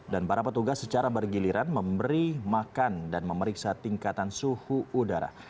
dan para petugas secara bergiliran memberi makan dan memeriksa tingkatan suhu udara